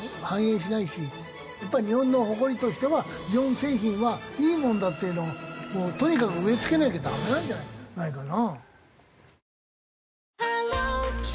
やっぱり日本の誇りとしては日本製品はいいものだっていうのをとにかく植え付けなきゃダメなんじゃないかな。